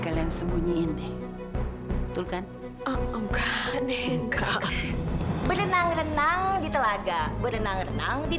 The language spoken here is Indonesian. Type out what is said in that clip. kalian sembunyiin deh betul kan enggak enggak berenang renang di telaga berenang renang di